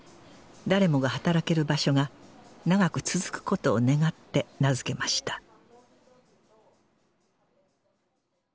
誰もが働ける場所が長く続くことを願って名付けました